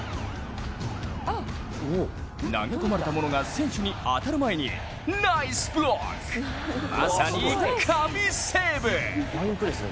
投げ込まれた者が選手に当たる前にナイスブロック、まさに神セーブ。